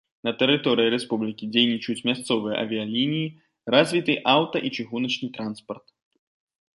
На тэрыторыі рэспублікі дзейнічаюць мясцовыя авіялініі, развіты аўта- і чыгуначны транспарт.